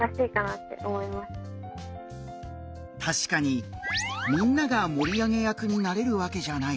確かにみんなが盛り上げ役になれるわけじゃない。